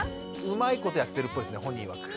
うまいことやってるっぽいですね本人いわく。